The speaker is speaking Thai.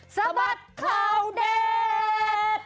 สะบัดข่าวเด็ด